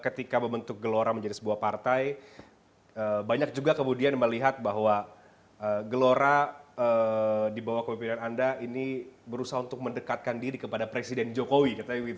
ketika membentuk gelora menjadi sebuah partai banyak juga kemudian melihat bahwa gelora di bawah kepemimpinan anda ini berusaha untuk mendekatkan diri kepada presiden jokowi